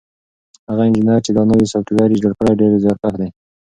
هغه انجنیر چې دا نوی سافټویر یې جوړ کړی ډېر زیارکښ دی.